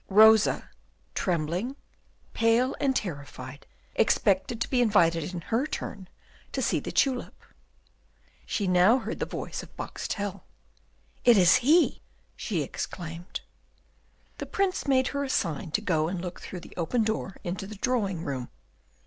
Rosa, trembling, pale and terrified, expected to be invited in her turn to see the tulip. She now heard the voice of Boxtel. "It is he!" she exclaimed. The Prince made her a sign to go and look through the open door into the drawing room.